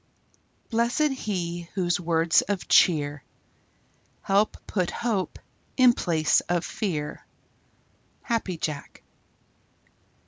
Blessed he whose words of cheer Help put hope in place of fear. _Happy Jack.